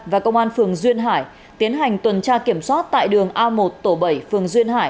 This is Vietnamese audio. và công an phường duyên hải tiến hành tuần tra kiểm soát tại đường a một tổ bảy phường duyên hải